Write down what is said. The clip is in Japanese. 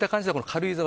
軽井沢